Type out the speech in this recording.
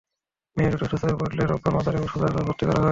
মেয়ে দুটি অসুস্থ হয়ে পড়লে রোববার মাদারীপুর সদর হাসপাতালে ভর্তি করা হয়।